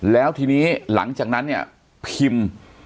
แล้วทีนี้หลังจากนั้นพิมพ์